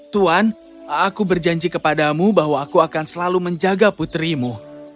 tuan aku berjanji kepadamu bahwa aku akan selalu menjaga putrimu